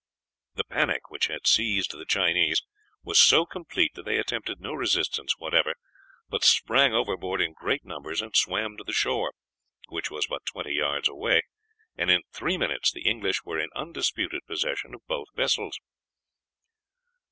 The panic which had seized the Chinese was so complete that they attempted no resistance whatever, but sprang overboard in great numbers and swam to the shore, which was but twenty yards away, and in three minutes the English were in undisputed possession of both vessels.